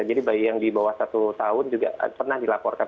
jadi bayi yang di bawah satu tahun juga pernah dilaporkan